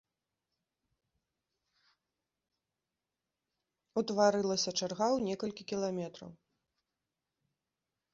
Утварылася чарга ў некалькі кіламетраў.